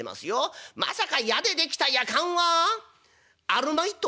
まさか矢で出来たやかんはアルマイト？」。